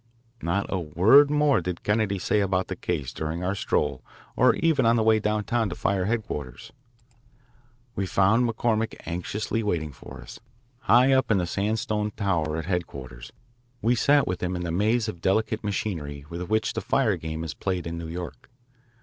Not a word more did Kennedy say about the case during our stroll or even on the way downtown to fire headquarters. We found McCormick anxiously waiting for us. High up in the sandstone tower at headquarters, we sat with him in the maze of delicate machinery with which the fire game is played in New York.